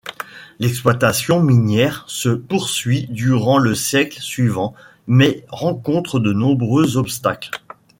L’exploitation minière se poursuit durant le siècle suivant, mais rencontre de nombreux obstacles.